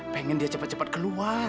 pengen dia cepat cepat keluar